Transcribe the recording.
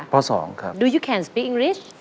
ป๒ครับ